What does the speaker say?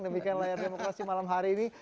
demikian layar demokrasi malam hari ini